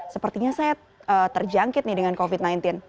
sepertinya saya terjangkit nih dengan covid sembilan belas